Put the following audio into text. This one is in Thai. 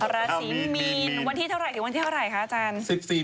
ราศีมีนวันที่เท่าไหร่ค่ะอาจารย์